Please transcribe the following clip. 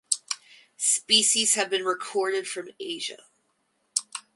Species have been recorded from Asia.